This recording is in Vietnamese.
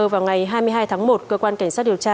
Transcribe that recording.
vào ngày hai mươi hai tháng một cơ quan cảnh sát điều tra